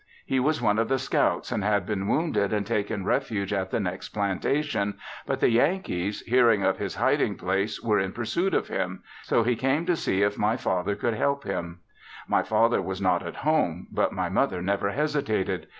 He was one of the scouts and had been wounded and taken refuge at the next plantation, but the Yankees hearing of his hiding place were in pursuit of him, so he came to see if my father could help him. My father was not at home, but my mother never hesitated.